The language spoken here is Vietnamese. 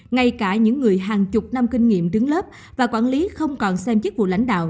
ngay cả những người hàng chục năm kinh nghiệm đứng lớp và quản lý không còn xem chức vụ lãnh đạo